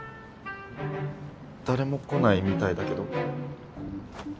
誰も来ないみたいだけど？